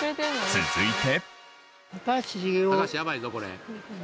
続いて。